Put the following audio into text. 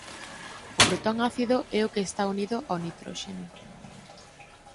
O protón ácido é o que está unido ao nitróxeno.